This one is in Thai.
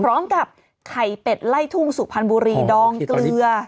พร้อมกับไข่เป็ดไล่ทุ่งสุพรรณบุรีดองเกลือ